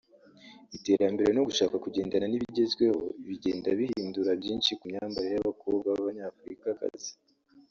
iterambere no gushaka kugendana n’ibigezweho bigenda bihindura byinshi ku myambarire y’abakobwa b’abanyafurikakazi